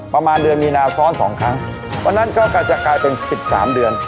ประมาณเดือนมีนาซ้อนสองครั้งเพราะฉะนั้นก็จะกลายเป็น๑๓เดือน